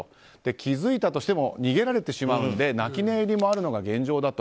気づいたとしても逃げられてしまうので泣き寝入りもあるのが現状だと。